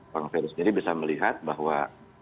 bang ferry sendiri bisa melihat bahwa